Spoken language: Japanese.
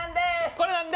「これなんで？」